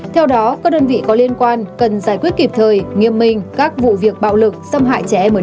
sau đó các đơn vị có liên quan cần giải quyết kịp thời nghiêm minh các vụ việc bạo lực xâm hại trẻ em ở địa phương